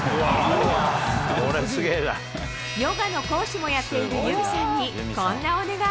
ヨガの講師もやっている裕美さんに、こんなお願い。